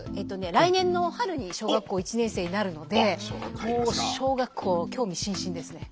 来年の春に小学校１年生になるのでもう小学校興味津々ですね。